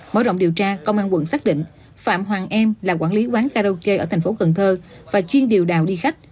mở rộng điều tra công an quận xác định phạm hoàng em là quản lý quán karaoke ở tp hcm và chuyên điều đào đi khách